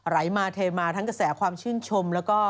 ไหลมาเทมาทั้งกระแสความชื่นชมแล้วก็